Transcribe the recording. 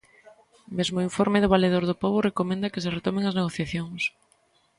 Mesmo o informe do Valedor do Pobo recomenda que se retomen as negociacións.